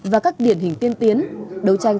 và các điển hình tiên tiến đấu tranh